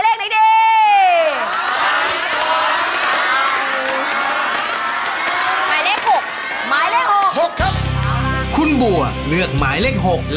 หมวกปีกดีกว่าหมวกปีกดีกว่า